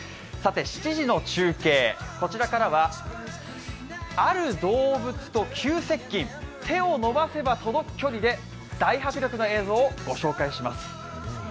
さて７時の中継、こちらからはある動物と急接近、手を伸ばせば届く距離で大迫力な映像を御紹介します。